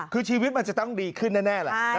คือชีวิตมันจะดีขึ้นแน่